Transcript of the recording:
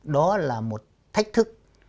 đó là một thách thức